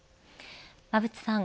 馬渕さん